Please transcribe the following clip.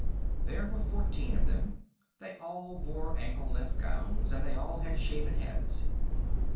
There were fourteen of them. They all wore ankle length gowns, and they all had shaven heads.